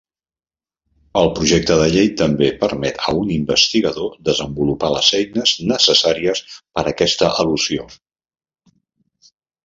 El projecte de llei també permet a un investigador desenvolupar les eines necessàries per a aquesta elusió.